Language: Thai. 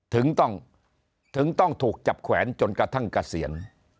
ถึงต้องถูกจับแขวนจนกระทั่งเกษียณ